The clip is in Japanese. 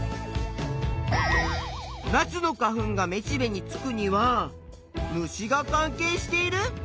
ナスの花粉がめしべにつくには虫が関係している？